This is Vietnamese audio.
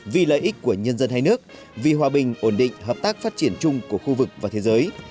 vì lợi ích của nhân dân hai nước vì hòa bình ổn định hợp tác phát triển chung của khu vực và thế giới